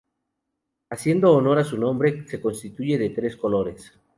Haciendo honor a su nombre, se constituye de tres colores.